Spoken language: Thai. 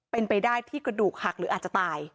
เป็นไปได้ที่กระดูกหักหรืออาจจะตาย